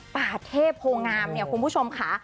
ป่าเทพโพงามเนี่ยคุณผู้ชมค่ะ